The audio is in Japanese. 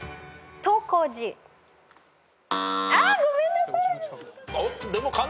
あごめんなさい！